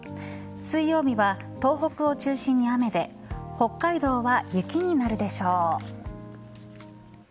水曜日は東北を中心に雨で北海道は雪になるでしょう。